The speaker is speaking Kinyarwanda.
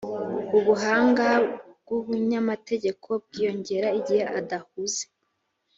Ubuhanga bw’umunyamategeko bwiyongera igihe adahuze,